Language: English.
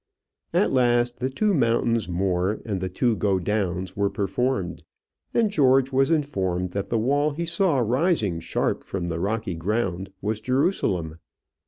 At last the two mountains more and the two go downs were performed, and George was informed that the wall he saw rising sharp from the rocky ground was Jerusalem.